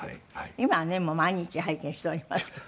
今はね毎日拝見しておりますけど。